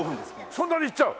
そんなに行っちゃう！？